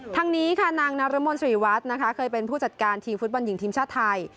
ทางนี้ค่ะนางนรมนศรีวัฒน์นะคะเคยเป็นผู้จัดการทีมฟุตบอลหญิงทีมชาติไทย